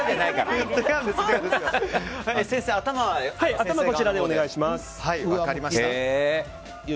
頭はこちらでお願いします。